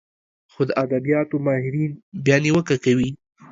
خو د ادبياتو ماهرين بيا نيوکه کوي